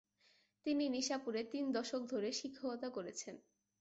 তিনি নিশাপুরে তিন দশক ধরে শিক্ষকতা করেছেন।